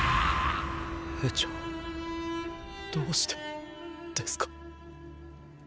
兵長どうしてですか？